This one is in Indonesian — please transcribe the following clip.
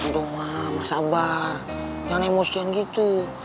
aduh mama sabar jangan emosian gitu